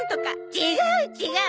違う違う！